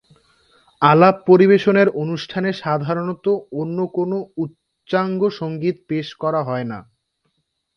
আলাপ পরিবেশনের অনুষ্ঠানে সাধারণত অন্য কোনো উচ্চাঙ্গসঙ্গীত পেশ করা হয় না।